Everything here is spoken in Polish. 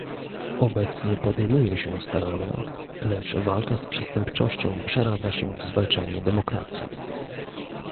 Obecnie podejmuje się starania, lecz walka z przestępczością przeradza się w zwalczanie demokracji